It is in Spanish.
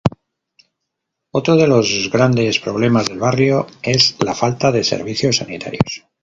Otro de los grandes problemas del barrio es la falta de servicios sanitarios.